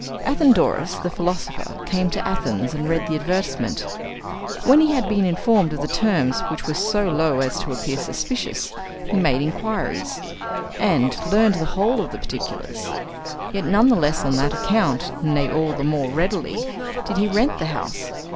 Athenodorus, the philosopher, came to Athens and read the advertisement. When he had been informed of the terms, which were so low as to appear suspicious, he made inquiries, and learned the whole of the particulars. Yet none the less on that account, nay, all the more readily, did he rent the house.